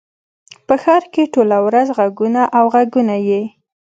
په ښار کښي ټوله ورځ ږغونه او ږغونه يي.